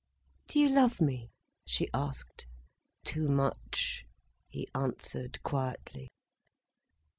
"Do you love me?" she asked. "Too much," he answered quietly.